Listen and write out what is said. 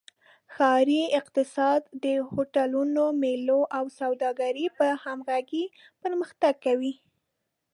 ښاري اقتصاد د هوټلونو، میلو او سوداګرۍ په همغږۍ پرمختګ کوي.